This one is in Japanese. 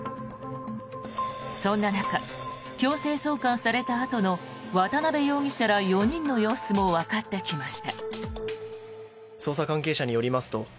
そんな中、強制送還されたあとの渡邉容疑者ら４人の様子もわかってきました。